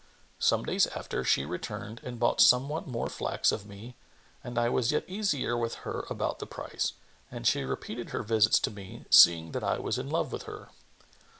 Some days after, she returned and bought somewhat more flax of me and I was yet easier with her about the price; and she repeated her visits to me, seeing that I was in love with her.